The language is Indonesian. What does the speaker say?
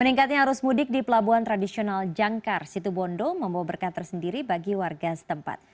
peningkatnya arus mudik di pelabuhan tradisional jangkar situ bondo membawa berkat tersendiri bagi warga setempat